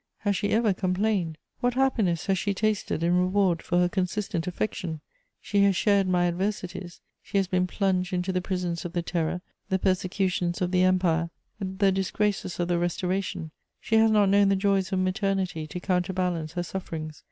Has she ever complained? What happiness has she tasted in reward for her consistent affection? She has shared my adversities; she has been plunged into the prisons of the Terror, the persecutions of the Empire, the disgraces of the Restoration; she has not known the joys of maternity to counterbalance her sufferings.